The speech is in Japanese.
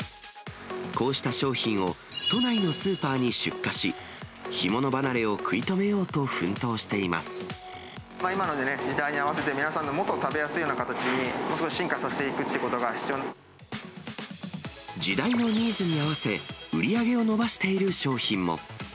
こうした商品を都内のスーパーに出荷し、干物離れを食い止めよう今の時代に合わせて、皆さんがもっと食べやすいような形に、進化させていくということ時代のニーズに合わせ、売り上げを伸ばしている商品も。